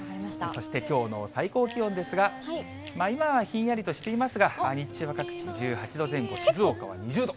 そしてきょうの最高気温ですが、今はひんやりとしていますが、日中は各地１８度前後、静岡は２０度。